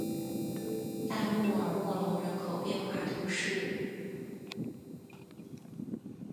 大穆尔默隆人口变化图示